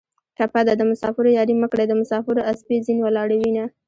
ټپه ده: د مسافرو یارۍ مه کړئ د مسافرو اسپې زین ولاړې وینه